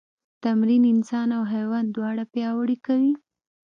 تمرین انسان او حیوان دواړه پیاوړي کوي.